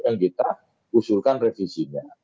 yang kita usulkan revisinya